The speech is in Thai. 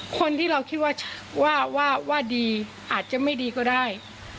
คนที่เราคิดว่าว่าดีอาจจะไม่ดีก็ได้